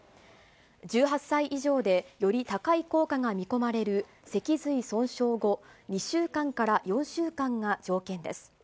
１８歳以上でより高い効果が見込まれる脊髄損傷後２週間から４週間が条件です。